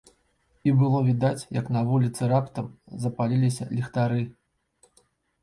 І было відаць, як на вуліцы раптам запаліліся ліхтары.